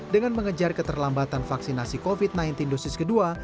dengan mengejar keterlambatan vaksinasi covid sembilan belas dosis kedua